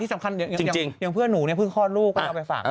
สำคัญอย่างเพื่อนหนูเนี่ยเพิ่งคลอดลูกก็เอาไปฝาก